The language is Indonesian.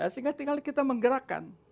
sehingga tinggal kita menggerakkan